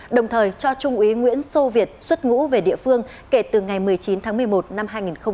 đồng thời cho trung úy nguyễn sô việt xuất ngũ về địa phương kể từ ngày một mươi chín tháng một mươi một năm hai nghìn một mươi chín